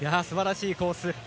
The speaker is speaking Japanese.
すばらしいコース。